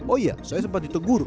oh iya saya sempat ditegur